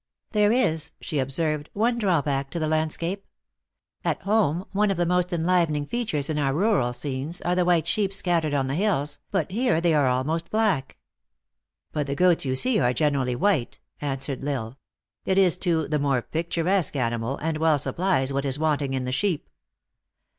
" There is," she observed, " one drawback to the landscape. At home, one of the most enlivening features in our rural scenes, are the white sheep scattered on the hills, but here they are almost black." " But the goats you see are generally white," an swered L Isle. "It is, too, the more picturesque ani mal, and well supplies what is wanting in the sheep."